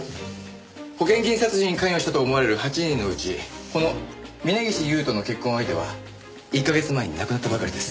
保険金殺人に関与したと思われる８人のうちこの峰岸勇人の結婚相手は１か月前に亡くなったばかりです。